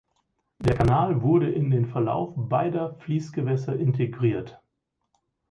Der Kanal wurde in den Verlauf beider Fließgewässer integriert.